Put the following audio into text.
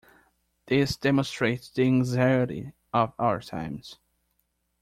This demonstrates the anxiety of our times.